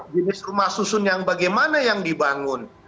jenis rumah susun yang bagaimana yang dibangun